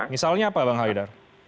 misalnya apa bang haidar